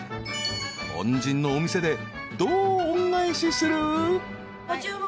［恩人のお店でどう恩返しする？］